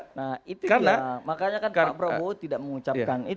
nah itu dia makanya kan pak prabowo tidak mengucapkan itu